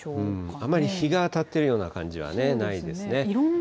あまり日が当たってるような感じはないですね。